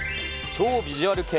超ビジュアル系！